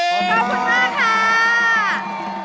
ขอบคุณมากค่ะ